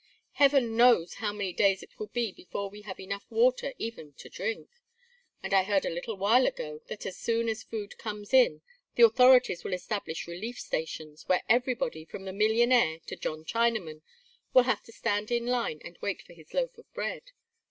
Heaven knows how many days it will be before we have enough water even to drink, and I heard a little while ago that as soon as food comes in the authorities will establish relief stations, where everybody, from the millionaire to John Chinaman, will have to stand in line and wait for his loaf of bread.